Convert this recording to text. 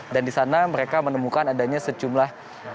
dan di sana mereka menemukan adanya secumlah